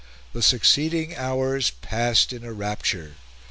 The succeeding hours passed in a rapture.